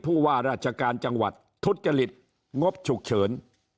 ผู้ว่าราชการจังหวัดทุจริตงบฉุกเฉิน